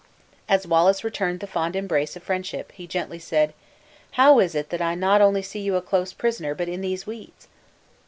As Wallace returned the fond embrace of friendship, he gently said, "How is it that I not only see you a close prisoner, but in these weeds?"